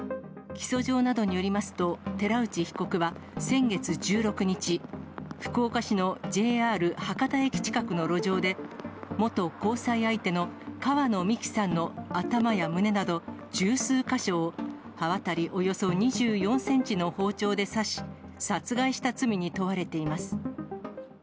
起訴状などによりますと、寺内被告は先月１６日、福岡市のＪＲ博多駅近くの路上で、元交際相手の川野美樹さんの頭や胸など十数か所を、刃渡りおよそ２４センチの包丁で刺し、殺害した罪に問われています。